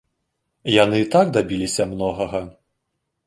Яны і так дабіліся многага.